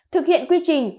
thực hiện quy trình